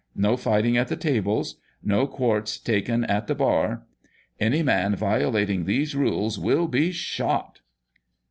No fighting at the tables. No quartz taken at the bar. Any man violating these rules will be SHOT."